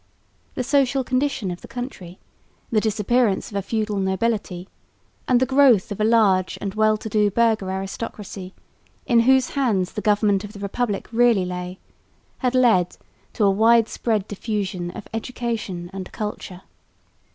The social condition of the country, the disappearance of a feudal nobility, and the growth of a large and well to do burgher aristocracy in whose hands the government of the republic really lay, had led to a widespread diffusion of education and culture.